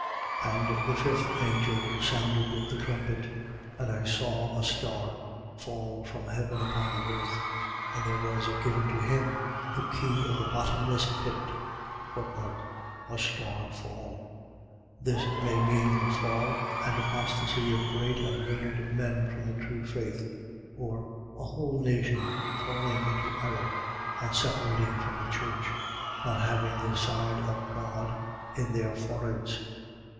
9:1. And the fifth angel sounded the trumpet: and I saw a star fall from heaven upon the earth. And there was given to him the key of the bottomless pit. A star full. . .This may mean the fall and apostasy of great and learned men from the true faith. Or a whole nation falling into error and separating from the church, not having the sign of God in their foreheads.